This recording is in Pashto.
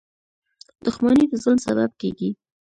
• دښمني د ظلم سبب کېږي.